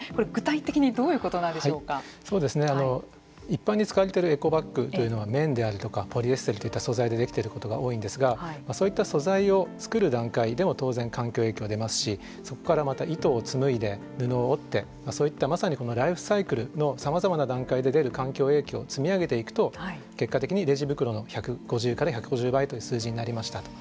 一般に使われてるエコバッグというのは綿であるとかポリエステルといった素材で出来ていることが多いんですがそういった素材を作る段階でも当然環境影響出ますしそこからまた糸を紡いで布を織ってそういったまさにこのライフサイクルのさまざまな段階で出る環境影響を積み上げていくと結果的にレジ袋の５０から１５０倍という数字になりましたと。